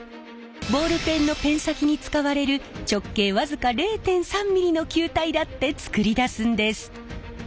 ボールペンのペン先に使われる直径僅か０．３ｍｍの球体だって作り出すんです！